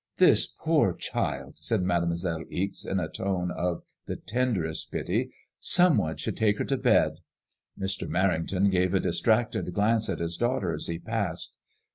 "This poor child!" said Mademoiselle Ixe, in a tone of the tenderest pity. '* Some one should take her to bed." Mr. Merrington gave a dis tracted glance at his daughter as he passed.